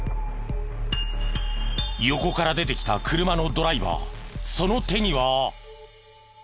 横から出てきた車のドライバーその手には。